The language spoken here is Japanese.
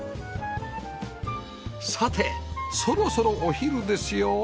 さてそろそろお昼ですよ